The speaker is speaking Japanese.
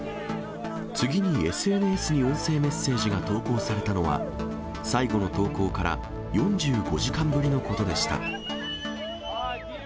次にＳＮＳに音声メッセージが投稿されたのは、最後の投稿から４５時間ぶりのことでした。